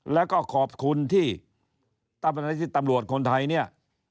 และก็ขอบคุณที่ตำรวจคนไทยเนี่ย